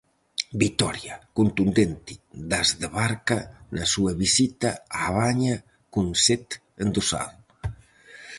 Vitoria contundente das de Barca na súa visita á Baña cun set endosado.